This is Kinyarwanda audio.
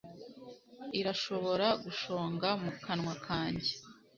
irashobora gushonga mu kanwa kanjye